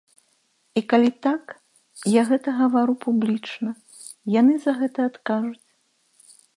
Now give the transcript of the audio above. І калі так, я гэта гавару публічна, яны за гэта адкажуць.